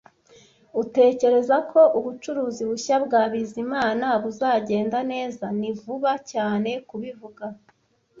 "Utekereza ko ubucuruzi bushya bwa Bizimana buzagenda neza?" "Ni vuba cyane kubivuga."